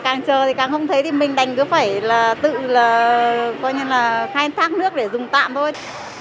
càng chờ thì càng không thấy thì mình đành cứ phải là tự là coi như là khai thác nước để dùng tạm thôi